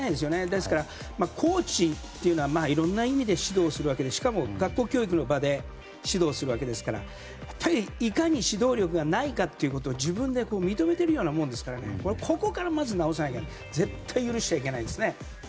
ですから、コーチというのはいろんな意味で指導するわけでしかも学校教育の場で指導するのでやっぱりいかに指導力がないかということを自分で認めているようなものですからここからまず直さなきゃ絶対許してはいけないですね。